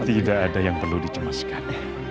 tidak ada yang perlu dicemaskan